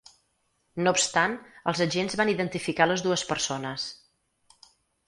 No obstant, els agents van identificar les dues persones.